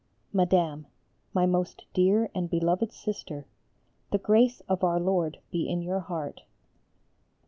Madame, My most dear and beloved Sister, The grace of Our Lord be in your heart.